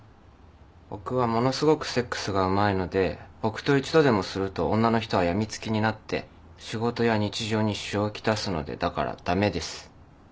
僕はものすごくセックスがうまいので僕と１度でもすると女の人はやみつきになって仕事や日常に支障を来すのでだからだめです。